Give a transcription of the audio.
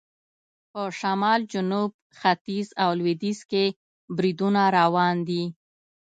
په شمال، جنوب، ختیځ او لویدیځ کې بریدونه روان دي.